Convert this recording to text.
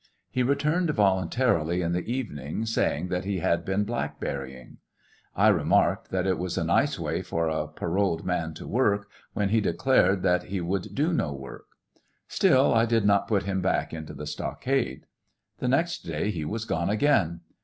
He returned voluntarily in the evening, saying that he had been blackberrying. I remarked that it was a nice way for a paroled man to work, when he declared that he would do no work. Still I did not put him back into the stockade. The next day he was gone again.